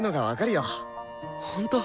ほんと！？